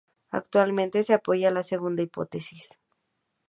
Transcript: Actualmente se apoya la segunda hipótesis.